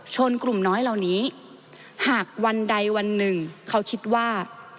กลุ่มน้อยเหล่านี้หากวันใดวันหนึ่งเขาคิดว่า